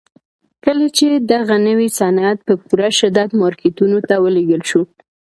کله چې دغه نوي صنعت په پوره شدت مارکيټونو ته ولېږل شو.